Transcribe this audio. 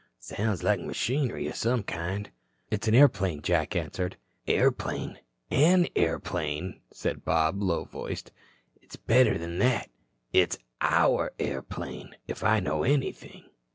"Sounds like machinery of some kind." "It's an airplane," Jack answered. "Airplane? An airplane?" said Bob, low voiced. "It's better than that. It's our airplane, if I know anything."